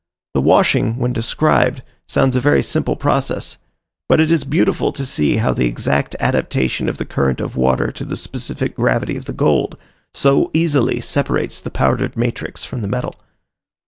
The washing, when described, sounds a very simple process; but it is beautiful to see how the exact adaptation of the current of water to the specific gravity of the gold, so easily separates the powdered matrix from the metal.